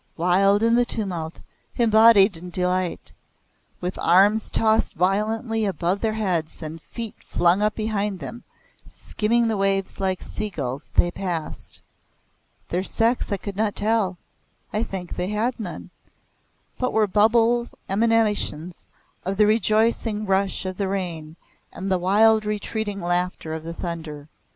Wild in the tumult, embodied delight, with arms tossed violently above their heads, and feet flung up behind them, skimming the waves like seagulls, they passed. Their sex I could not tell I think they had none, but were bubble emanations of the rejoicing rush of the rain and the wild retreating laughter of the thunder.